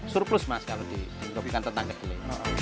surplus mas kalau di gerobogan tetangga dulu